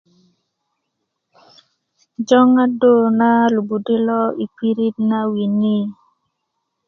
joŋandu na lubudi lo yi pirit na wini